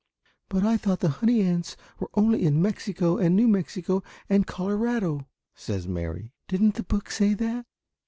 "But I thought the honey ants were only in Mexico and New Mexico and Colorado," says Mary. "Didn't the book say that?"